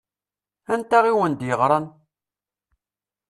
Anta i wen-d-yeɣṛan?